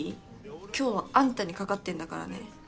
今日はあんたにかかってんだからね。